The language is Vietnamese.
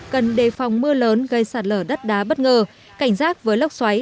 cần đề phòng mưa lớn gây sạt lở đất đá bất ngờ cảnh giác với lốc xoáy